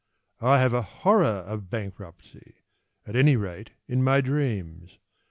I have a horror of bankruptcy, At any rate in my dreams.